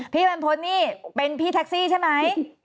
พี่บรรพฤษนี่เป็นพี่แท็กซี่ใช่ไหม